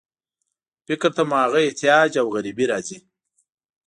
فکر ته مو هغه احتیاج او غریبي راځي.